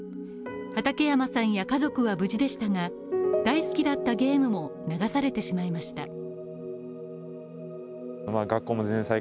畠山さんや家族は無事でしたが大好きだったゲームも流されてしまいました。